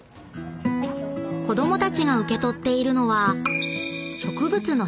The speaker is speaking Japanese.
［子供たちが受け取っているのは］